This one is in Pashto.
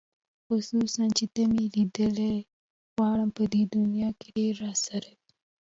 خصوصاً چې ته مې لیدلې غواړم په دې دنیا ډېره راسره وې